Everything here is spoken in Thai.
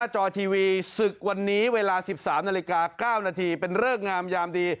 จอทีวีศึกวันนี้เวลา๑๓นาฬิกา๙นาทีเป็นเริกงามยามดี